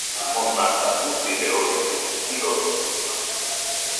Monaka usireode jirodɨkue.